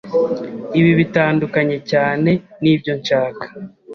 Ibi bitandukanye cyane nibyo nshaka.